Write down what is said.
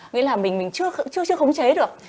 nghĩa là mình chưa khống chế được